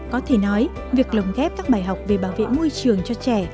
có thể nói việc lồng ghép các bài học về bảo vệ môi trường cho trẻ